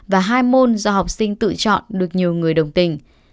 và hai môn do học sinh tự chọn được nhiều người đồng tình